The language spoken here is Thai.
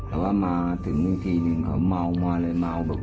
แต่ว่ามาถึงนึงทีนึงเขาเมามาเลย